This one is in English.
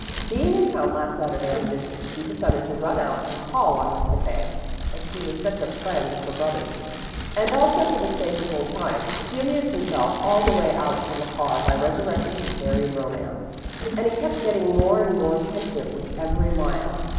"Being in town last Saturday on business, he decided to run out and call on Miss McKay, as he was such a friend of her brother's and also for the sake of old times. He amused himself all the way out in the car by resurrecting his buried romance, and he kept getting more and more pensive with every mile.